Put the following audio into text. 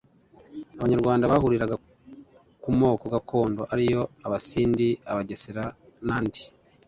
Abanyarwanda bahuriraga ku moko gakondo ariyo abasindi, abagesera nandi